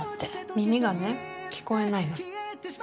耳がね、聞こえないの。